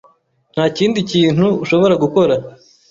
Nta kindi kintu ushobora gukora.